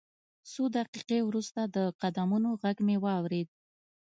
څو دقیقې وروسته د قدمونو غږ مې واورېد